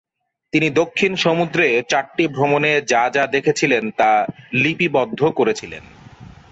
তিনি দক্ষিণ সমুদ্রে চারটি ভ্রমণে যা যা দেখেছিলেন তা লিপিবদ্ধ করেছিলেন।